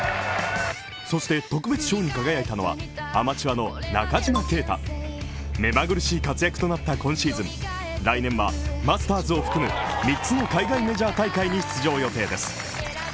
そして、特別賞に輝いたのはアマチュアの中島啓太、目まぐるしい活躍となった今シーズン来年はマスターズを含む三つの海外メジャー大会に出場予定です。